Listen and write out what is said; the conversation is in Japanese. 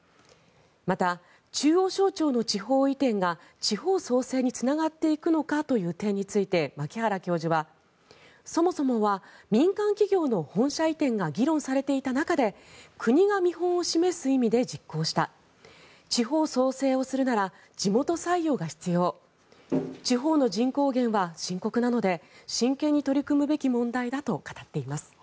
また、中央省庁の地方移転が地方創生につながっていくのかという点について牧原教授はそもそもは民間企業の本社移転が議論されていた中で国が見本を示す意味で実行した地方創生をするなら地元採用が必要地方の人口減は深刻なので真剣に取り組むべき問題だと語っています。